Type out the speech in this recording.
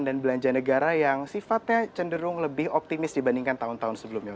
dan belanja negara yang sifatnya cenderung lebih optimis dibandingkan tahun tahun sebelumnya